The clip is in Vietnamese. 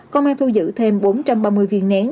công an thu giữ thêm bốn trăm ba mươi viên nén